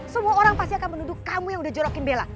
semua orang pasti akan menuduh kamu yang udah jorokin bela